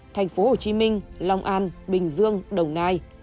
thành phố hồ chí minh long an bình dương đồng nai